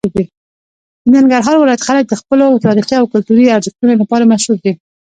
د ننګرهار ولایت خلک د خپلو تاریخي او کلتوري ارزښتونو لپاره مشهور دي.